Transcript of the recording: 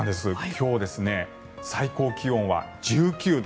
今日最高気温は１９度。